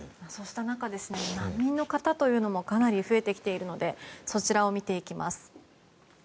そうした中で難民の方というのもかなり増えてきているのでそちらを見ていきます。